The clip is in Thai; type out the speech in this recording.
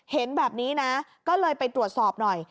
เห็นแบบนี้นะก็เลยไปตรวจสอบหน่อย